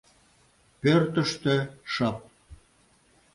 Пӧртыштӧ шып.